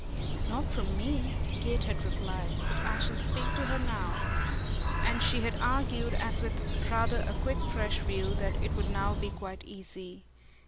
"Not from me," Kate had replied. "But I shall speak to her now." And she had argued, as with rather a quick fresh view, that it would now be quite easy.